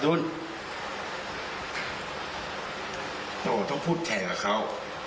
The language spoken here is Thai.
โจทด์ต้องพูดแทนกับเค้า